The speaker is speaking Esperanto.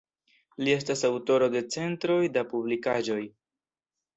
Li estas aŭtoro de centoj da publikaĵoj.